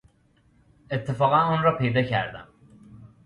اتفاقا آن را پیدا کردم.